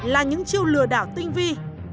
là những chiêu lừa đảo tinh vi